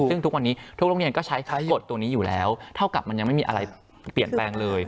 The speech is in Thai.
ซึ่งทุกวันนี้ทุกโรงเรียนก็ใช้กฎตัวนี้อยู่แล้วเท่ากับมันยังไม่มีอะไรเปลี่ยนแปลงเลย